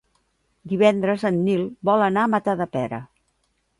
Divendres en Nil vol anar a Matadepera.